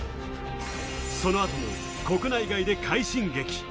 その後も国内外で快進撃。